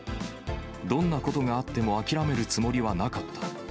どんなことがあっても諦めるつもりはなかった。